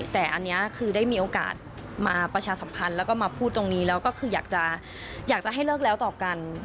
แต่อันนี้คือได้มีโอกาสมาประชาสัมพันธ์แล้วก็มาพูดตรงนี้แล้วก็คืออยากจะให้เลิกแล้วต่อกัน